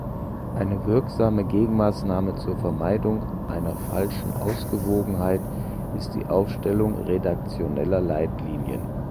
Eine wirksame Gegenmaßnahme zur Vermeidung einer falschen Ausgewogenheit ist die Aufstellung redaktioneller Leitlinien.